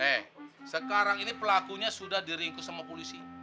eh sekarang ini pelakunya sudah diringkus sama polisi